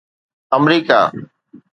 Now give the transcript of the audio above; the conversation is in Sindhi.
آمريڪا